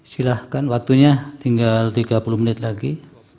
silahkan waktunya tinggal tiga puluh menit lagi